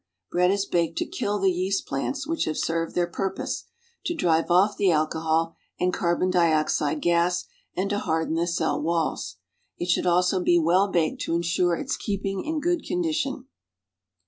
Bread is baked to kill the yeast plants, which have served their purpose, to drive off the alcohol and carlion dioxide gas, and to harden the cell walls. It should also l^e well baked to insure its keeping in good condition.